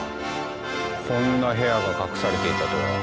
こんな部屋が隠されていたとは。